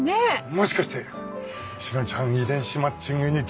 もしかして志乃ちゃん遺伝子マッチングに興味あるの？